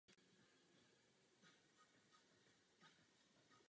Větve mají párové trny a dvakrát zpeřené listy jsou složené z drobných lístků.